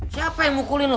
siapa yang mukulin lu